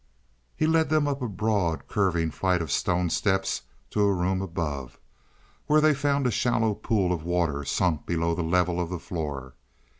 He led them up a broad, curving flight of stone steps to a room above, where they found a shallow pool of water, sunk below the level of the floor.